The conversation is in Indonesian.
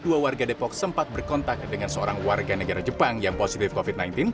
dua warga depok sempat berkontak dengan seorang warga negara jepang yang positif covid sembilan belas